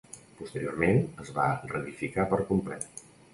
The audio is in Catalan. Posteriorment, es va reedificar per complet.